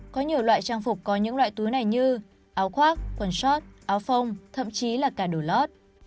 có nhiều loại trang phục có những loại túi này như áo khoác quần sót áo phông thậm chí là cả đồ lót